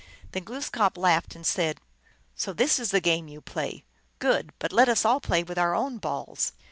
Then Glooskap laughed, and said, " So this is the game you play. Good, but let us all play with our own balls."